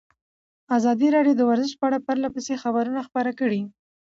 ازادي راډیو د ورزش په اړه پرله پسې خبرونه خپاره کړي.